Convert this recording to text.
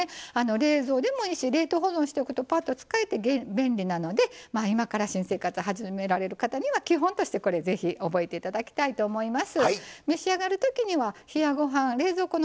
冷蔵でもいいし冷凍保存しておくとぱっと使えて便利なので今から新生活始められる方には基本としてこれぜひ覚えて頂きたいと思います。